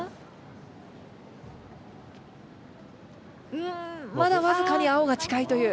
うんまだわずかに青が近いという。